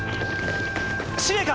司令官！